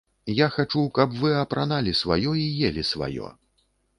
Я хачу, каб вы апраналі сваё і елі сваё.